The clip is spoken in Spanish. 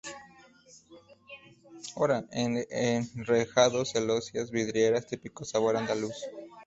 Enrejados, celosías, vidrieras, típico sabor andaluz.